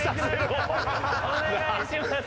お願いします。